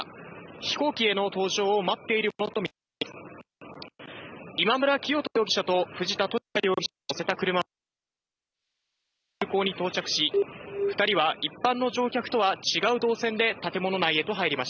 飛行機への搭乗を待っているものとみられます。